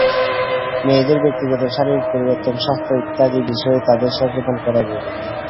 মেয়েদের ব্যক্তিগত শারীরিক পরিবর্তন, স্বাস্থ্য ইত্যাদি বিষয়ে তাদের সচেতন করা জরুরি।